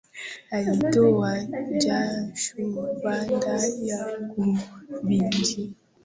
Alitoa jasho baada ya kukimbia